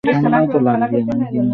বাদুড়িয়া থানা এই ব্লকটি পরিবেশন করে।